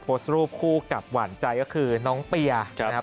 โพสต์รูปคู่กับหวานใจก็คือน้องเปียนะครับ